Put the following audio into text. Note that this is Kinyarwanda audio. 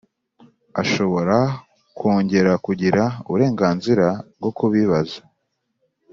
Ashobora kongera kugira uburenganzira bwo kubibaza